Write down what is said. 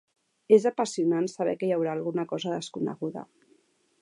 És apassionant saber que hi haurà alguna cosa desconeguda.